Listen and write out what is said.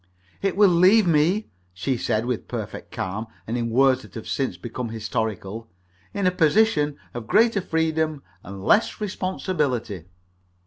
"It will leave me," she said, with perfect calm and in words that have since become historical, "in a position of greater freedom and less responsibility."